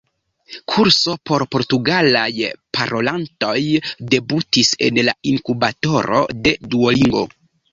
-kurso por portugalaj parolantoj debutis en la inkubatoro de Duolingo